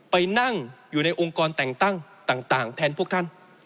ไปนั่งอยู่ในองค์กรแต่งตั้งต่างแทนพวกท่าน